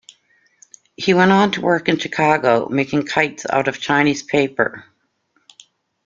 He went on to work in Chicago, making kites out of Chinese paper.